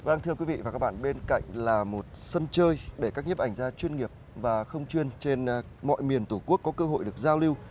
vâng thưa quý vị và các bạn bên cạnh là một sân chơi để các nhếp ảnh gia chuyên nghiệp và không chuyên trên mọi miền tổ quốc có cơ hội được giao lưu